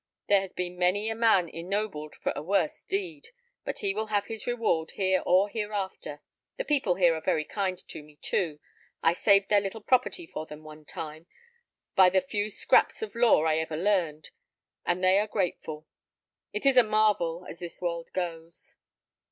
There has been many a man ennobled for a worse deed; but he will have his reward here or hereafter. The people here are very kind to me, too. I saved their little property for them one time, by the few scraps of law I ever learned, and they are grateful: it is a marvel, as this world goes.